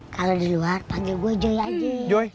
kalau di luar panggil gue joy aja